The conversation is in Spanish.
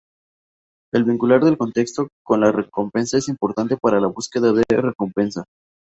El vincular el contexto con la recompensa es importante para la búsqueda de recompensa.